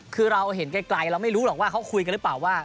คือเราเห็นไกลเราไม่รู้หรอกว่าเขาคุยกันหรือเปล่าว่า